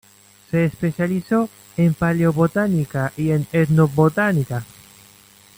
Se especializó en paleobotánica y en etnobotánica.